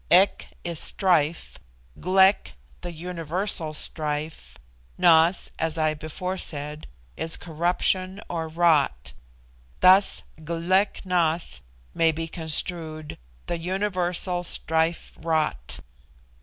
Ek is strife Glek, the universal strife. Nas, as I before said, is corruption or rot; thus, Glek Nas may be construed, "the universal strife rot."